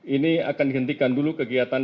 ini akan dihentikan dulu kegiatan